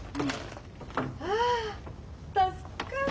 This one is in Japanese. わあ助かる！